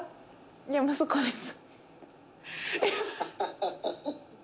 「いや息子です」。